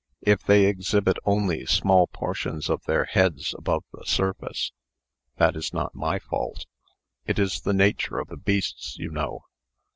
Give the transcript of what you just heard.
If they exhibit only small portions of their heads above the surface, that is not my fault. It is the nature of the beasts, you know."